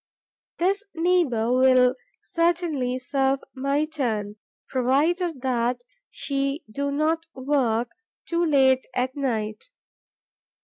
This neighbour will certainly serve my turn, provided that she do not work too late at night.